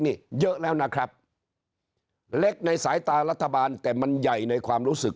นี่เยอะแล้วนะครับเล็กในสายตารัฐบาลแต่มันใหญ่ในความรู้สึก